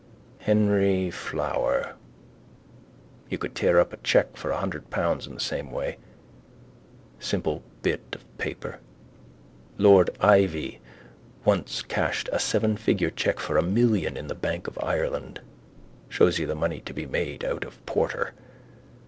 Henry Flower. You could tear up a cheque for a hundred pounds in the same way. Simple bit of paper. Lord Iveagh once cashed a sevenfigure cheque for a million in the bank of Ireland. Shows you the money to be made out of porter.